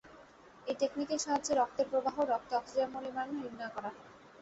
এ টেকনিকের সাহায্যে রক্তের প্রবাহ, রক্তে অক্সিজেনের পরিমাণও নির্ণয় করা যায়।